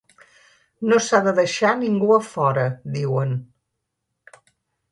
No s’ha de ‘deixar ningú a fora’, diuen.